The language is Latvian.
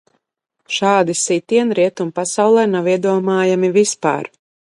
Šādi sitieni Rietumu pasaulē nav iedomājami vispār!